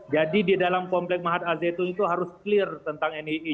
jadi di dalam komplek mahat azeh tuhun itu harus clear tentang nii